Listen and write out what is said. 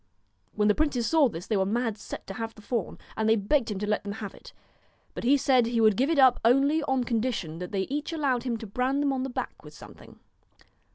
When the princes saw this, they were mad set to have the fawn, and they begged him to let them have it ; but he said he would give it up only on condition that they each allowed him to brand them on the back with something.